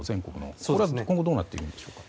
ここはどうなっているんでしょうか？